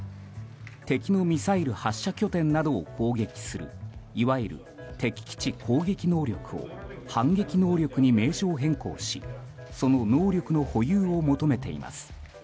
敵のミサイル発射拠点などを攻撃するいわゆる敵基地攻撃能力を反撃能力に名称変更しその能力の保有を求めています。